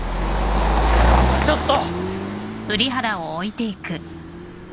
ちょっと！